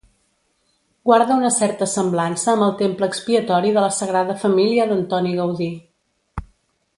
Guarda una certa semblança amb el Temple Expiatori de la Sagrada Família d'Antoni Gaudí.